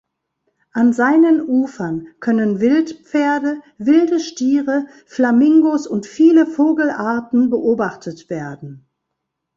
An seinen Ufern können Wildpferde, wilde Stiere, Flamingos und viele Vogelarten beobachtet werden.